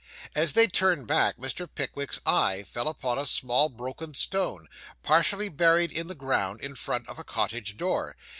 As they turned back, Mr. Pickwick's eye fell upon a small broken stone, partially buried in the ground, in front of a cottage door.